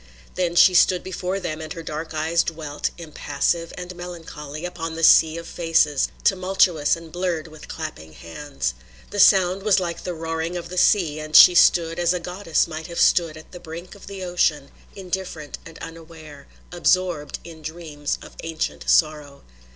Then she stood before them and her dark eyes dwelt, impassive and melancholy, upon the sea of faces, tumultuous and blurred with clapping hands. The sound was like the roaring of the sea and she stood as a goddess might have stood at the brink of the ocean, indifferent and unaware, absorbed in dreams of ancient sorrow.